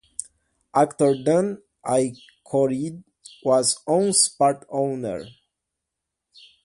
Actor Dan Aykroyd was once part-owner.